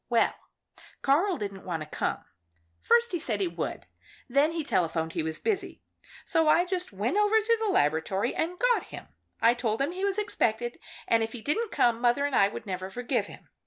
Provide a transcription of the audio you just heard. Well, Karl didn't want to come. First he said he would, and then he telephoned he was busy. So I just went over to the laboratory and got him. I told him he was expected, and if he didn't come, mother and I never would forgive him.